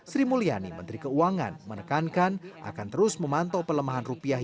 sri mulyani menteri keuangan menekankan akan terus memantau pelemahan rupiah